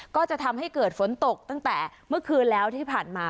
ก็จะทำให้เกิดฝนตกตั้งแต่เมื่อคืนแล้วที่ผ่านมา